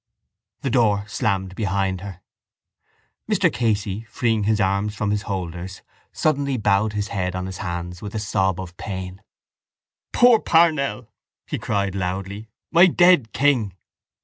The door slammed behind her. Mr Casey, freeing his arms from his holders, suddenly bowed his head on his hands with a sob of pain. —Poor Parnell! he cried loudly. My dead king!